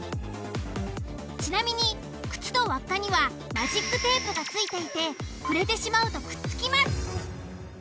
ちなみに靴と輪っかにはマジックテープが付いていて触れてしまうとくっつきます。